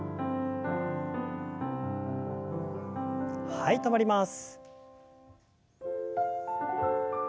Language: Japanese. はい止まります。